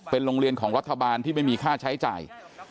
เป็นโรงเรียนของรัฐบาลที่ไม่มีค่าใช้จ่าย